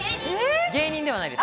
芸人ではないです。